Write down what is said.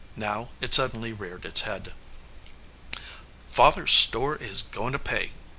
Now it suddenly reared its head. "Father s store is going to pay!"